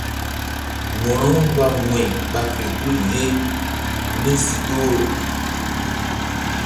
Wo̧ro-u mgba wu̧y ɓa fe hul ye mí si ƴohro.